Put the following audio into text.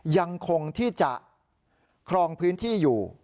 ยังคงที่จะครองพื้นที่อยู่